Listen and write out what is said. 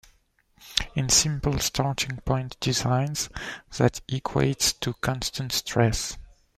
In simple starting-point designs, that equates to constant-stress.